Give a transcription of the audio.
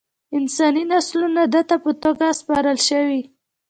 انساني نسلونه ده ته په توګه سپارل شوي.